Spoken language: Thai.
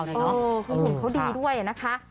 คุณผู้ชมเขาดีด้วยนะคะ